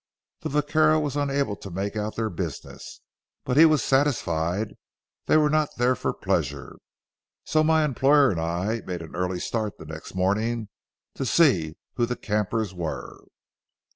The vaquero was unable to make out their business, but was satisfied they were not there for pleasure, so my employer and I made an early start the next morning to see who the campers were.